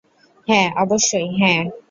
হ্যা, অবশ্যই, হ্যা।